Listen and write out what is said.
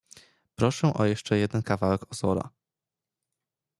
"Proszę o jeszcze jeden kawałek ozora."